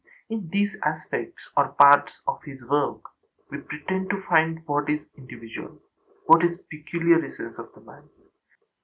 In these aspects or parts of his work we pretend to find what is individual, what is the peculiar essence of the man.